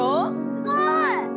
すごい！